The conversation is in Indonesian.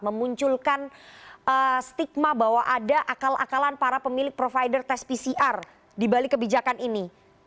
memunculkan stigma bahwa ada akal akalan para pemilik provider tes pcr di balik kebijakan ini